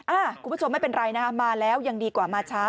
คุณผู้ชมไม่เป็นไรนะคะมาแล้วยังดีกว่ามาช้า